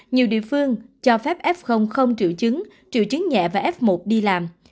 nhiều địa phương cho phép f không triệu chứng triệu chứng nhẹ và f một đi làm